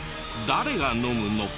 誰が飲むの？